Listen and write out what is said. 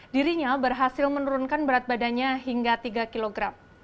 dirinya berhasil menurunkan berat badannya hingga tiga kg